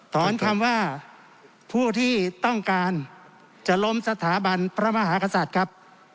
ถอนคำว่าผู้ที่ต้องการจะล้มสถาบันพระมหากษัตริย์ครับ